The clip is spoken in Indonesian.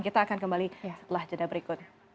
kita akan kembali setelah jeda berikut